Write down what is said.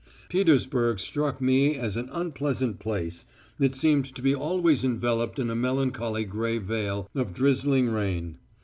"Petersburg struck me as an unpleasant place, it seemed to be always enveloped in a melancholy grey veil of drizzling rain.